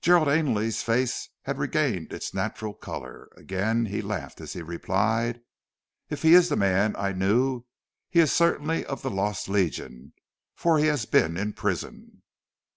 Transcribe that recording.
Gerald Ainley's face had regained its natural colour. Again he laughed as he replied: "If he is the man I knew he is certainly of the lost legion, for he has been in prison."